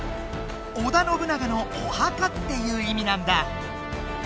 「織田信長のお墓」っていういみなんだ！